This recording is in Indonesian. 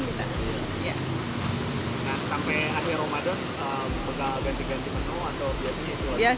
nah sampai akhir ramadan bakal ganti ganti menu atau biasanya jual